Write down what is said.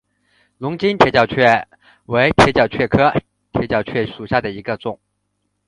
龙津铁角蕨为铁角蕨科铁角蕨属下的一个种。